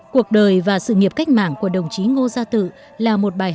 cuộc đời và sự nghiệp cách mạng của đồng chí ngô gia tự là một bài học